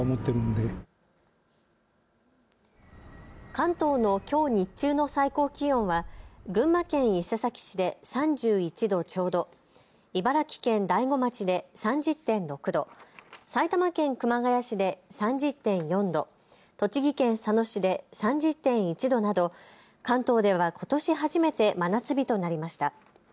関東のきょう日中の最高気温は群馬県伊勢崎市で３１度ちょうど、茨城県大子町で３０．６度、埼玉県熊谷市で３０．４度、栃木県佐野市で３０．１度など関東ではことし初めて真夏日となりました。